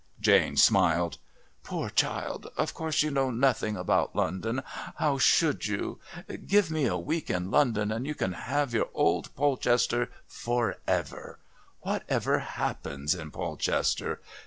Jane smiled. "Poor child. Of course you know nothing about London. How should you? Give me a week in London and you can have your old Polchester for ever. What ever happens in Polchester?